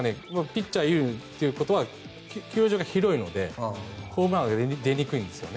ピッチャー有利ということは球場が広いのでホームランが出にくいんですよね。